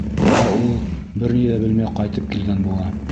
Ә ул... бер ни ҙә белмәй ҡайтып килгән була.